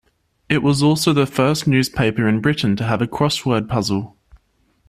It was also the first newspaper in Britain to have a crossword puzzle.